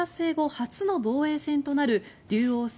初の防衛戦となる竜王戦